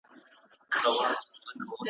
یو سړی نسته چي ورکړي تعویذونه `